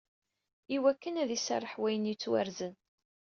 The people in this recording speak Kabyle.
“Iwakken ad iserreḥ wayen yettwarzen."